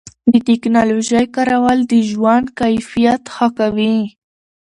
د ټکنالوژۍ کارول د ژوند کیفیت ښه کوي.